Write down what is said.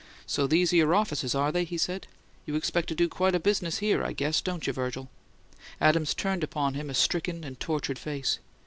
"So these are your offices, are they?" he asked. "You expect to do quite a business here, I guess, don't you, Virgil?" Adams turned upon him a stricken and tortured face.